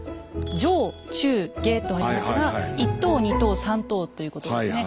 上中下とありますが１等２等３等ということですね。